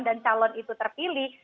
dan calon itu terpilih